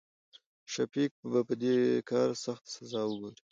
شفيق به په د کار سخته سزا وګوري.